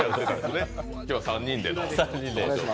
今日は３人での。